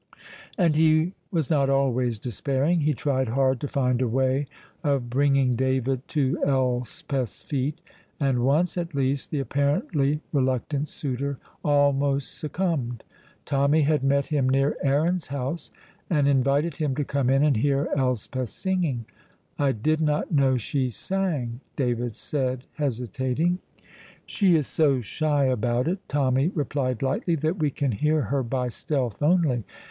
And he was not always despairing. He tried hard to find a way of bringing David to Elspeth's feet, and once, at least, the apparently reluctant suitor almost succumbed. Tommy had met him near Aaron's house, and invited him to come in and hear Elspeth singing. "I did not know she sang," David said, hesitating. "She is so shy about it," Tommy replied lightly, "that we can hear her by stealth only.